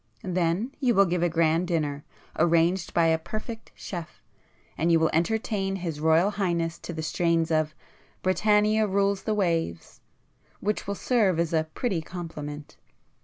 Then you will give a grand dinner, arranged by a perfect chef,—and you will entertain His Royal Highness to the strains of 'Britannia rules the waves,' which will serve as a pretty compliment.